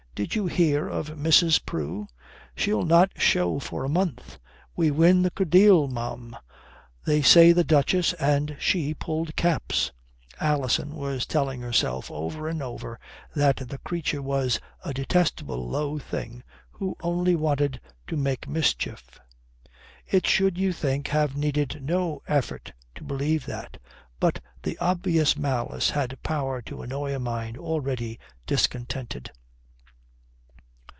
Did you hear of Mrs. Prue? She'll not show for a month. We win the Codille, ma'am. They say the Duchess and she pulled caps" Alison was telling herself over and over that the creature was a detestable low thing who only wanted to make mischief. It should, you think, have needed no effort to believe that. But the obvious malice had power to annoy a mind already discontented.